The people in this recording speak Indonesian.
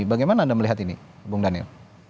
bagaimana anda melihat ini bung daniel